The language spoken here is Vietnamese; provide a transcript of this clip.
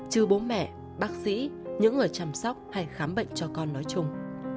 trừ bố mẹ bác sĩ những người chăm sóc hay khám bệnh cho con nói chung